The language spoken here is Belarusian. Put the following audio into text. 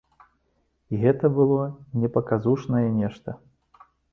І гэта было не паказушнае нешта.